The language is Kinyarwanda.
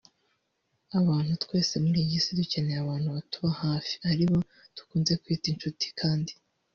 Abantu twese muri iyi si dukeneye abantu batuba hafi aribo dukunze kwita inshuti kandi